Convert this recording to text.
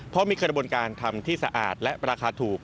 เพราะมีกระบวนการทำที่สะอาดและราคาถูก